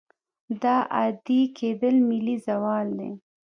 دا عادي کېدل ملي زوال دی.